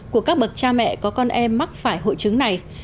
của các bậc cha mẹ có con em mắc phải hội chứng này